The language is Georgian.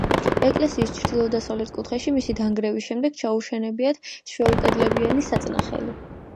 ეკლესიის ჩრდილო-დასავლეთ კუთხეში, მისი დანგრევის შემდეგ, ჩაუშენებიათ შვეულკედლებიანი საწნახელი.